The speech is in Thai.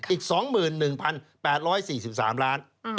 อีก๒๑๘๔๓ล้าน